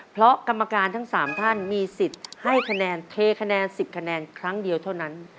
เพราะกรรมการทั้ง๓ท่านมีสิทธิ์ให้คะแนนเทคะแนน๑๐คะแนนครั้งเดียวเท่านั้น